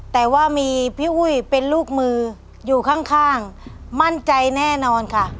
แต่ว่ามีพี่อุ้ยเป็นลูกมืออยู่ข้างมั่นใจแน่นอนค่ะ